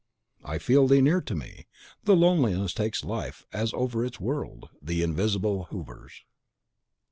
(I feel thee near to me, The loneliness takes life, As over its world The Invisible hovers.)